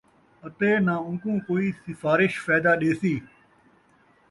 اَتے نہ اُوکوں کوئی سِفارش فائدہ ݙیسی،